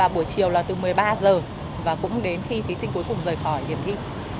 buổi chiều là từ một mươi ba h và cũng đến khi thí sinh cuối cùng rời khỏi điểm thi